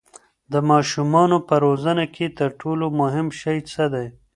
د ماشومانو په روزنه کې تر ټولو مهم شی څه دی؟